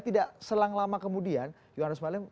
tidak selang lama kemudian johannes marlim